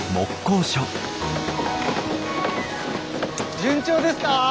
順調ですか？